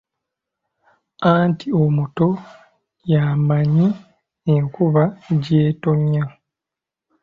Anti omuto gyamanyi enkuba gy'ettonya.